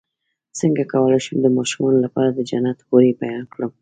څنګه کولی شم د ماشومانو لپاره د جنت حورې بیان کړم